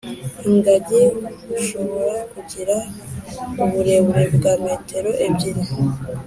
Ingagi ishobora kugira uburebure bwa metero ebyiri